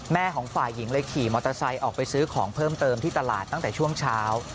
ของฝ่ายหญิงเลยขี่มอเตอร์ไซค์ออกไปซื้อของเพิ่มเติมที่ตลาดตั้งแต่ช่วงเช้า